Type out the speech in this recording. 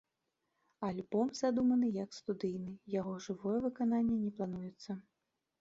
Альбом задуманы як студыйны, яго жывое выкананне не плануецца.